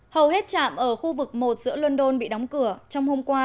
hầu hết trạm ở khu vực một giữa london bị đóng cửa